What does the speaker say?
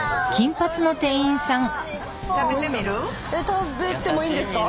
食べてもいいんですか？